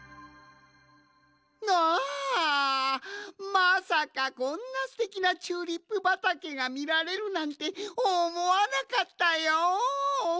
まさかこんなすてきなチューリップばたけがみられるなんておもわなかったよん。